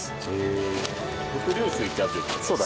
伏流水ってやつですか？